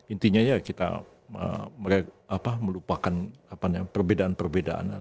intinya ya kita melupakan perbedaan perbedaan